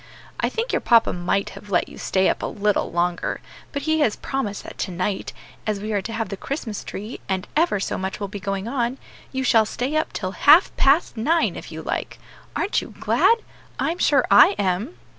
I think your papa might have let you stay up a little longer; but he has promised that tonight as we are to have the Christmas tree, and ever so much will be going on you shall stay up till half past nine, if you like. Aren't you glad? I'm sure I am."